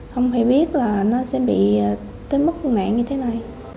không phải biết là nó sẽ bị tới mức nạn như thế này